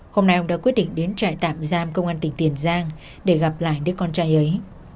hôm nay ông đã quyết định đến trại tạm giam công an tỉnh tiền giang để gặp lại đứa con trai ấy